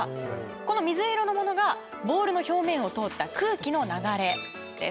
この水色のものがボールの表面を通った空気の流れです。